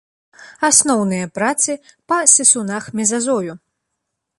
Асноўныя працы па сысунах мезазою.